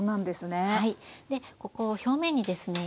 ここ表面にですね